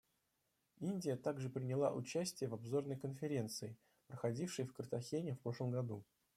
Индия также приняла участие в обзорной Конференции, проходившей в Картахене в прошлом году.